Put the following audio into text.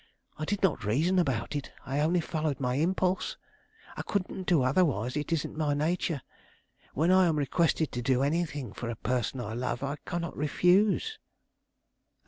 I did not reason about it; I only followed my impulse. I couldn't do otherwise; it isn't my nature. When I am requested to do anything for a person I love, I cannot refuse."